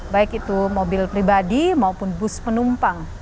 baik itu mobil pribadi maupun bus penumpang